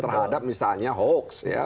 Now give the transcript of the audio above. terhadap misalnya hoax